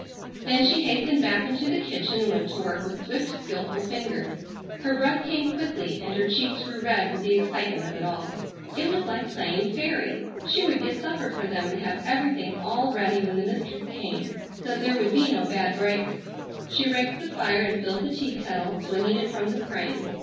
Then she hastened back into the kitchen and went to work with swift skilful fingers. Her breath came quickly and her cheeks grew red with the excitement of it all. It was like playing fairy. She would get supper for them and have everything all ready when the mistress came, so that there would be no bad breaks. She raked the fire and filled the tea kettle, swinging it from the crane.